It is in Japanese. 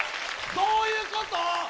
どういうこと？